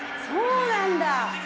そうなんだ。